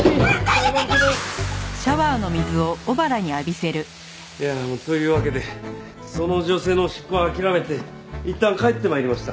出ていけ！というわけでその女性の執行は諦めていったん帰って参りました。